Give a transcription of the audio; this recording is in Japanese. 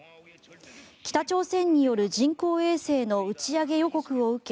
北朝鮮による人工衛星の打ち上げ予告を受け